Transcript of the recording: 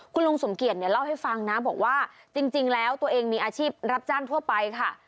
คุณลุงสมเกียจเนี่ยเล่าให้ฟังนะบอกว่าจริงแล้วตัวเองมีอาชีพรับจ้างทั่วไปค่ะ